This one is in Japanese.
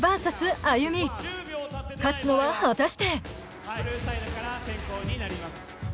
勝つのは果たして？